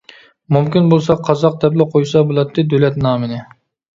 مۇمكىن بولسا، قازاق دەپلا قويسا بولاتتى دۆلەت نامىنى.